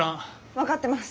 分かってます。